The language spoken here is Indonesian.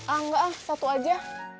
ah nggak satu aja